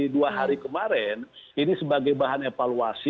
dengan apa yang terjadi dengan apa yang terjadi dengan apa yang terjadi